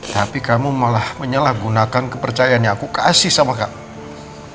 tapi kamu malah menyalahgunakan kepercayaan yang aku kasih sama kamu